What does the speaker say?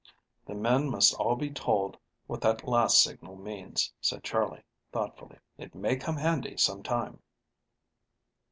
"The men must all be told what that last signal means," said Charley thoughtfully. "It may come handy some time."